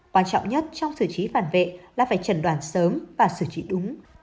quan trọng nhất trong xử trí phản vệ là phải trần đoán sớm và xử trí đúng